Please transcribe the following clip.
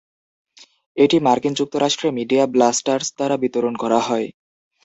এটি মার্কিন যুক্তরাষ্ট্রে মিডিয়া ব্লাস্টার্স দ্বারা বিতরণ করা হয়।